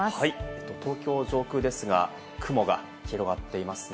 はい、東京上空ですが、雲が広がっていますね。